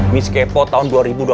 miss kepo tahun dua ribu dua puluh satu